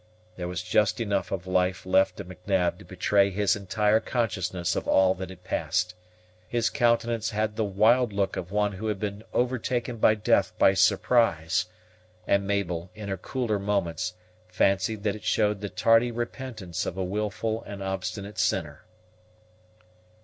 There was just enough of life left in M'Nab to betray his entire consciousness of all that had passed. His countenance had the wild look of one who had been overtaken by death by surprise; and Mabel, in her cooler moments, fancied that it showed the tardy repentance of a willful and obstinate sinner.